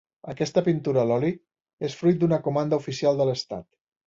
Aquesta pintura a l'oli és fruit d'una comanda oficial de l'Estat.